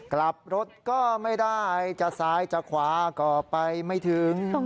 กลับรถก็ไม่ได้จะซ้ายจะขวาก็ไปไม่ถึง